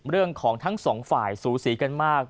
เรื่องของทั้งสองฝ่ายสูสีกันมาก